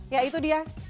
ya itu dia